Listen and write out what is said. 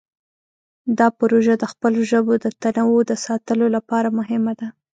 دا پروژه د خپلو ژبو د تنوع د ساتلو لپاره مهمه ده.